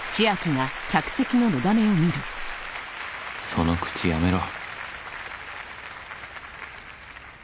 その口やめろ